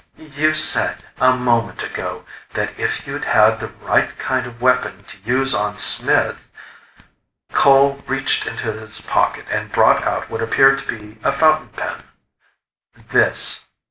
"You said a moment ago that if you'd had the right kind of weapon to use on Smith " Cole reached into his pocket and brought out what appeared to be a fountain pen. "This.